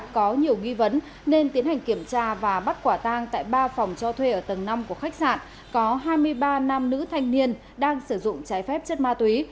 có nhiều nghi vấn nên tiến hành kiểm tra và bắt quả tang tại ba phòng cho thuê ở tầng năm của khách sạn có hai mươi ba nam nữ thanh niên đang sử dụng trái phép chất ma túy